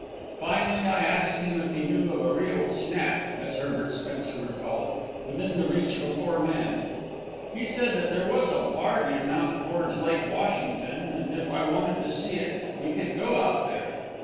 Finally I asked him if he knew of a real "snap," as Herbert Spencer would call it, within the reach of a poor man. He said that there was a bargain out towards Lake Washington, and if I wanted to see it we could go out there.